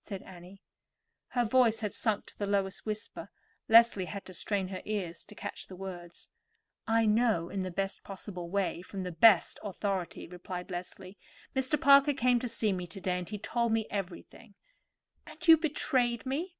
said Annie. Her voice had sunk to the lowest whisper. Leslie had to strain her ears to catch the words. "I know in the best possible way, and from the best authority," replied Leslie. "Mr. Parker came to see me to day, and he told me everything." "And you betrayed me?"